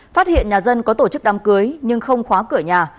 phát hiện nhà dân có tổ chức đám cưới nhưng không khóa cửa nhà